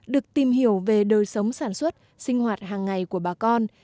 được tìm hiểu về đời sống sản xuất sinh hoạt hàng ngày của bà con